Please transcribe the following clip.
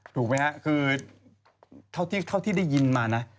ถูกไหมฮะคือเท่าที่ได้ยินมานะ